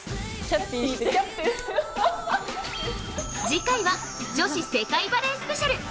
次回は女子世界バレースペシャル。